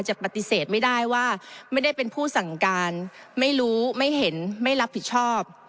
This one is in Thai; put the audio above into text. ปฏิเสธไม่ได้ว่าไม่ได้เป็นผู้สั่งการไม่รู้ไม่เห็นไม่รับผิดชอบ